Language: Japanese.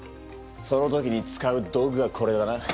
その時に使う道具がこれだな。